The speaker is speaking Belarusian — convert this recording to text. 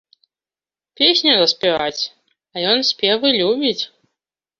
Песню заспяваць, а ён спевы любіць!